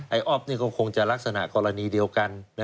อ๊อฟนี่ก็คงจะลักษณะกรณีเดียวกัน